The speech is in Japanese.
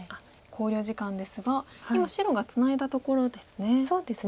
考慮時間ですが今白がツナいだところですね。